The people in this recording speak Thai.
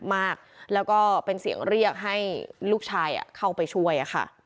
เราก็เป็นเสียงเลี่ยงให้ลูกชายเข้าไปช่วย